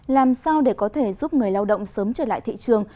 làm sao để có thể giúp người lao động sớm trở lại thị trường